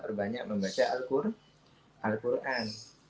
perbanyak membaca al quran